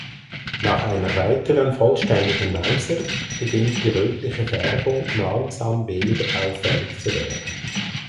Nach einer weiteren vollständigen Mauser beginnt die rötliche Färbung langsam weniger auffällig zu werden.